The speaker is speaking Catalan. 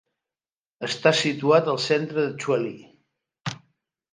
Està situat al centre de Tralee.